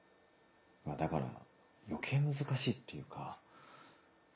だから余計難しいっていうか。